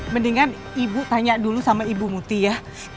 mendingan ibu tanya dulu sama ibu muti ya